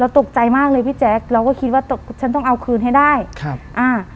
ตกใจมากเลยพี่แจ๊คเราก็คิดว่าตกฉันต้องเอาคืนให้ได้ครับอ่า